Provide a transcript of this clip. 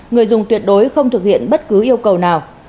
người dùng tuyệt đối không thực hiện bất cứ yêu cầu nào